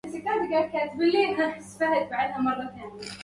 فتحت عينيها.